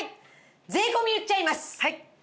税込言っちゃいます。